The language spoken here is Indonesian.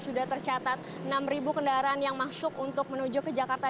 sudah tercatat enam kendaraan yang masuk untuk menuju ke jakarta